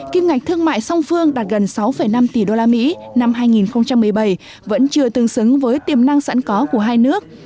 kim ngạch thương mại song phương đạt gần sáu năm tỷ usd năm hai nghìn một mươi bảy vẫn chưa tương xứng với tiềm năng sẵn có của hai nước